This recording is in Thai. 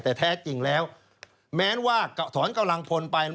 แต่แท้จริงแล้วแม้ว่าถอนกำลังพลไป